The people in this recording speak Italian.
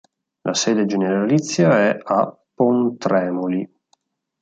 La sede generalizia è a Pontremoli.